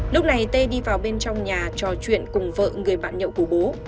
lúc này tê đi vào bên trong nhà trò chuyện cùng vợ người bạn nhậu của bố